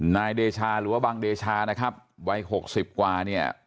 นายเดชาหรือว่าบังเดชานะครับวัย๖๐กว่าเนี่ย